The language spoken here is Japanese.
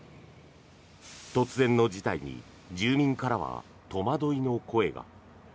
突然の事態に住民からは戸惑いの声が。